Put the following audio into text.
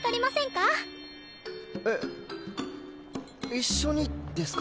一緒にですか？